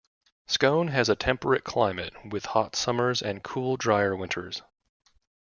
Scone has a temperate climate with hot summers and cool, drier winters.